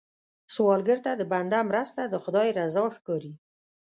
سوالګر ته د بنده مرسته، د خدای رضا ښکاري